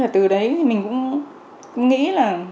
từ đấy mình cũng nghĩ là